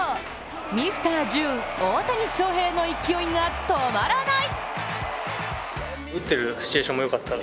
ミスター・ジューン、大谷翔平の勢いが止まらない！